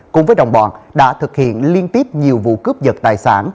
cùng với đồng bọn đã thực hiện liên tiếp nhiều vụ cướp dật tài sản